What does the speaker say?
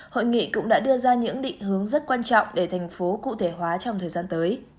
hội nghị cũng đã đưa ra những định hướng rất quan trọng để thành phố cụ thể hóa trong thời gian tới